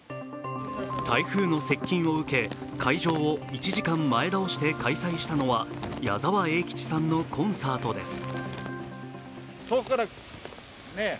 台風の接近を受け、開場を１時間前倒して開催したのは矢沢永吉さんのコンサートです。